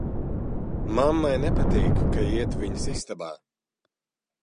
Mammai nepatīk, ka iet viņas istabā.